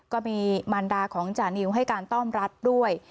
มารดาของจานิวให้การต้อนรับด้วย